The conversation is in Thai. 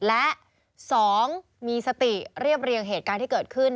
และ๒มีสติเรียบเรียงเหตุการณ์ที่เกิดขึ้น